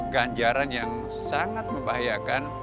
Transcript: ganjaran yang sangat membahayakan